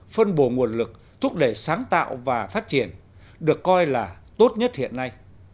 phân bổ nguồn lực thúc đẩy sáng tạo và phát triển được coi là tốt nhất hiện nay